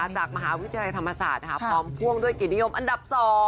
จากมหาวิทยาลัยธรรมศาสตร์พร้อมพ่วงด้วยเกียรตินิยมอันดับ๒